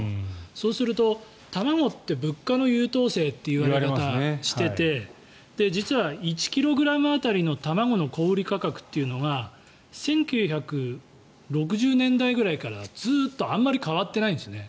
そうすると卵って物価の優等生って言われ方をしていて実は１ｋｇ当たりの卵の小売価格というのが１９６０年代ぐらいからずっとあまり変わってないんですね。